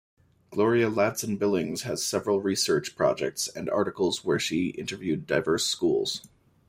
Gloria Ladson-Billings has several research projects and articles where she interviewed diverse schools.